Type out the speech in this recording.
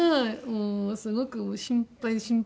もうすごく心配で心配で。